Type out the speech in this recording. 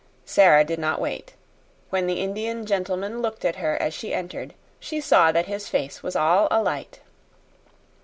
Sara did not wait. When the Indian gentleman looked at her as she entered, he saw that her face was all alight.